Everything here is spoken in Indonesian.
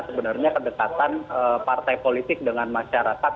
sebenarnya kedekatan partai politik dengan masyarakat